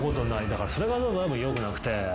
だからそれがよくなくて。